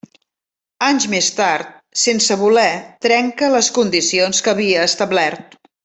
Anys més tard, sense voler trenca les condicions que havia establert.